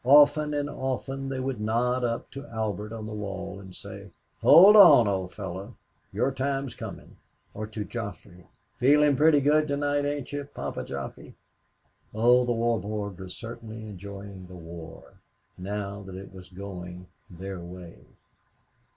Often and often they would nod up to Albert on the wall, and say, "Hold on, old fellow, your time is coming." Or to Joffre, "Feeling pretty good to night, ain't you, Papa Joffre?" Oh, the War Board was certainly enjoying the war now that it was going their way.